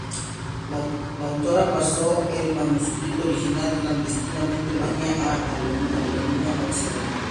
La autora pasó el manuscrito original clandestinamente desde Rumanía a Alemania Occidental.